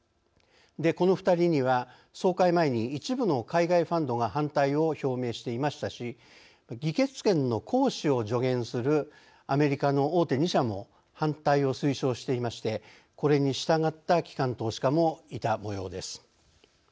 この２人には総会前に一部の海外ファンドが反対を表明していましたし議決権の行使を助言するアメリカの大手２社も反対を推奨していましてこれに従った機関投資家もいたもようです。